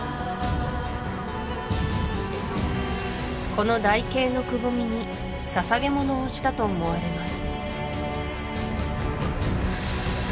この台形のくぼみに捧げ物をしたと思われます